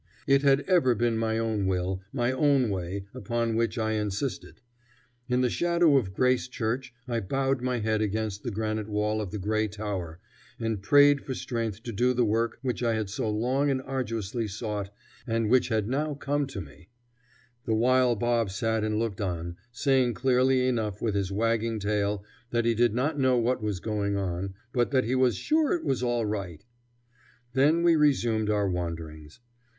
It had ever been my own will, my own way, upon which I insisted. In the shadow of Grace Church I bowed my head against the granite wall of the gray tower and prayed for strength to do the work which I had so long and arduously sought and which had now come to me; the while Bob sat and looked on, saying clearly enough with his wagging tail that he did not know what was going on, but that he was sure it was all right. Then we resumed our wanderings.